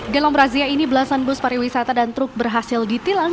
dalam razia ini belasan bus pariwisata dan truk berhasil ditilang